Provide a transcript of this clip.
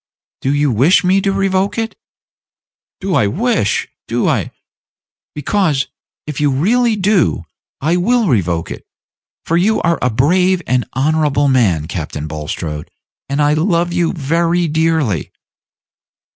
"Do you wish me to revoke it?" "Do I wish? do I " "Because, if you really do, I will revoke it: for you are a brave and honorable man, Captain Bulstrode, and I love you very dearly."